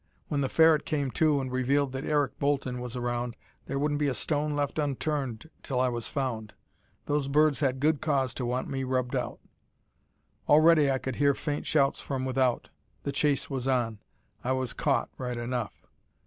When the Ferret came to and revealed that Eric Bolton was around, there wouldn't be a stone left unturned till I was found. Those birds had good cause to want me rubbed out. Already I could hear faint shouts from without. The chase was on. I was caught, right enough.